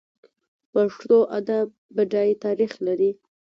پښتو ادب بډای تاریخ لري.